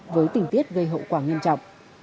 với tình tiết gây hậu quả nghiêm trọng